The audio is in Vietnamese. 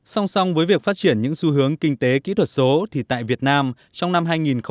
xong xong với việc phát triển những xu hướng kinh tế kỹ thuật số thì tại việt nam trong năm hai nghìn một mươi bảy